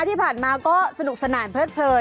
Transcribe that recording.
ที่ผ่านมาก็สนุกสนานเพลิดเพลิน